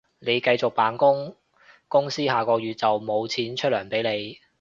你繼續扮工，公司下個月就無錢出糧畀你